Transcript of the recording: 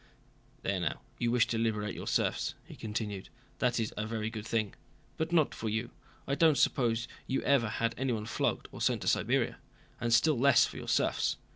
"There now, you wish to liberate your serfs," he continued; "that is a very good thing, but not for you—I don't suppose you ever had anyone flogged or sent to Siberia—and still less for your serfs.